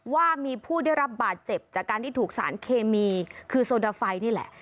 ว่ามีผู้ได้รับบาดเจ็บจากการที่ถูกสารเคมีคือโซดาไฟนี่แหละ